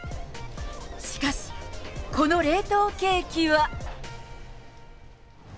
しかし、この冷凍ケーキは。